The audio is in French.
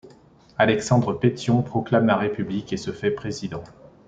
Alexandre Pétion proclame la République et se fait président.